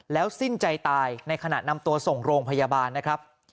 แล้วสิ้นใจตายในขณะนำตัวส่งโรงพยาบาลนะครับ